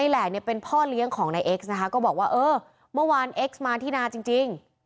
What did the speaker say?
แหละเนี่ยเป็นพ่อเลี้ยงของนายเอ็กซ์นะคะก็บอกว่าเออเมื่อวานเอ็กซ์มาที่นาจริง